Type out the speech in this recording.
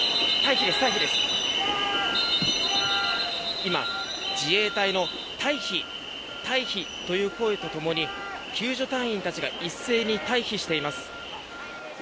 今、自衛隊の退避退避という声とともに救助隊員たちが一斉に退避しています。